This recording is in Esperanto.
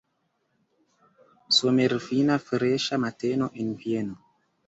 Somerfina, freŝa mateno en Vieno!